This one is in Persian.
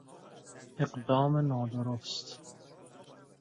اقدام نادرست